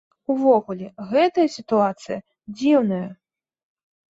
Увогуле, гэтая сітуацыя дзіўная.